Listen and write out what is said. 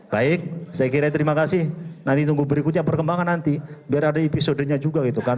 baik saya kira terima kasih nanti tunggu berikutnya perkembangan nanti biar ada episodenya juga gitu kan